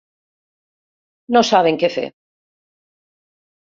No saben què fer.